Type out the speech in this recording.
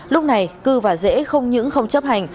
lúc này cư và dễ không những không chấp hành